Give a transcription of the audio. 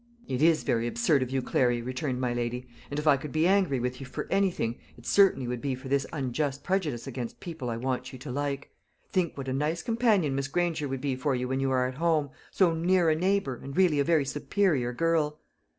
"It is very absurd of you, Clary," returned my lady; "and if I could be angry with you for anything, it certainly would be for this unjust prejudice against people I want you to like. Think what a nice companion Miss Granger would be for you when you are at home so near a neighbour, and really a very superior girl."